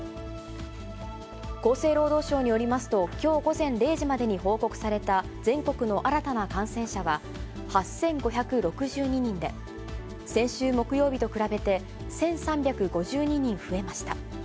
厚生労働省によりますと、きょう午前０時までに報告された全国の新たな感染者は８５６２人で、先週木曜日と比べて１３５２人増えました。